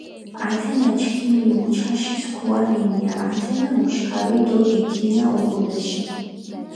ათენა ჩქიმი უჩაში სქუა რენია, ათენა ოშქარი დო ეთინა უკულაში.